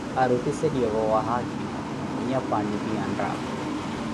Arutiiseliweevo wa haakhimo, mwinyapwaani phi arnaavo